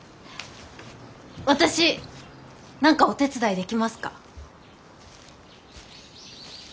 私何かお手伝いできますか？